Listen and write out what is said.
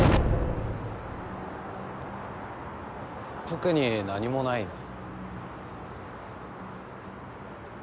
特に何もないね。